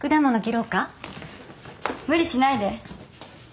無理しないで。